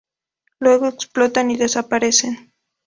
Luego explotan y desaparecen.